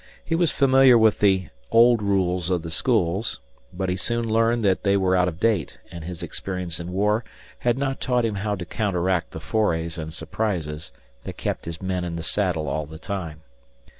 He was familiar with the old rules of the schools, but he soon learned that they were out of date, and his experience in war had not taught him how to counteract the forays and surprises that kept his men in the saddle all the time.